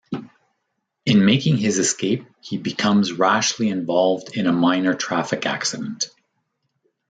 In making his escape he becomes rashly involved in a minor traffic accident.